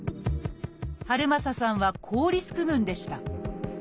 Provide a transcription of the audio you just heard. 遥政さんは高リスク群でした。